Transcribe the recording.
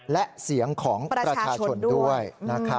และเสียงของประชาชนด้วยนี่แหละค่ะ